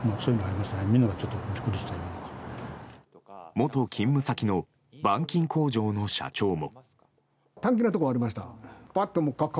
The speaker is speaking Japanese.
元勤務先の板金工場の社長も。